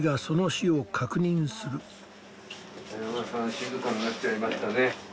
静かになっちゃいましたね。